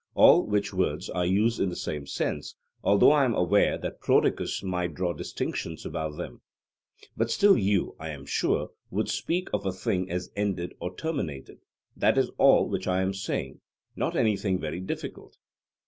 all which words I use in the same sense, although I am aware that Prodicus might draw distinctions about them: but still you, I am sure, would speak of a thing as ended or terminated that is all which I am saying not anything very difficult.